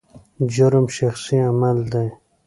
جرم شخصي عمل دی.